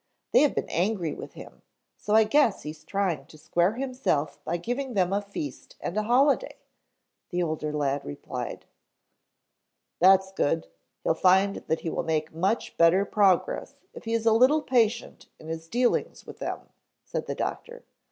They have been angry with him, so I guess he's trying to square himself by giving them a feast and a holiday," the older lad replied. "That's good. He'll find that he will make much better progress if he is a little patient in his dealings with them," said the doctor.